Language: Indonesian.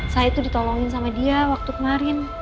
saya itu ditolongin sama dia waktu kemarin